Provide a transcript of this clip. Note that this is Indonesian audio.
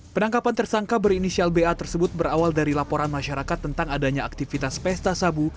penangkapan tersangka berinisial ba tersebut berawal dari laporan masyarakat tentang adanya aktivitas pesta sabu